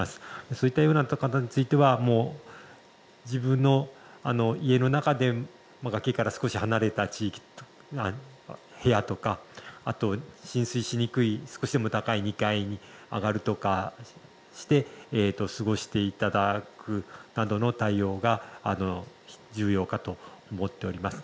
そういった方については自分の家の中で崖から少し離れた平野とか浸水しにくい少しでも高い２階に上がるとかして過ごしていただくなどの対応が重要かと思っております。